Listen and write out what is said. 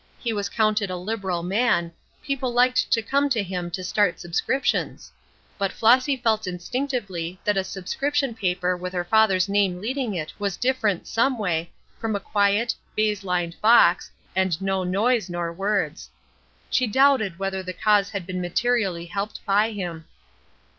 He was counted a liberal man people liked to come to him to start subscriptions; but Flossy felt instinctively that a subscription paper with her father's name leading it was different, someway, from a quiet, baize lined box, and no noise nor words. She doubted whether the cause had been materially helped by him.